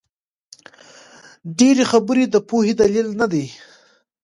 ډېري خبري د پوهي دلیل نه دئ.